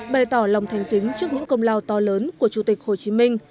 bày tỏ lòng thành kính trước những công lao to lớn của chủ tịch hồ chí minh